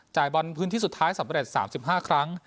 บอลพื้นที่สุดท้ายสำเร็จ๓๕ครั้ง